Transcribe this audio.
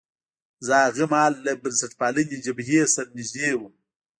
زه هاغه مهال له بنسټپالنې جبهې سره نژدې وم.